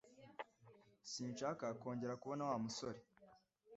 Sinshaka kongera kubona Wa musore